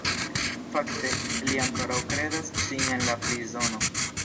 Fakte, li ankoraŭ kredas sin en la prizono.